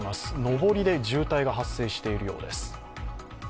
上りで渋滞が発生しているようです。